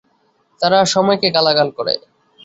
তারা সময়কে গালাগাল করে।